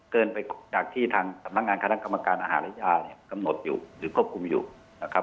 เกินไปจากที่ทางสำนักงานคณะกรรมการอาหารและยาเนี่ยกำหนดอยู่หรือควบคุมอยู่นะครับ